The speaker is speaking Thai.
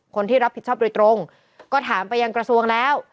คนที่รับผิดชอบโดยตรงก็ถามไปยังกระทรวงแล้ว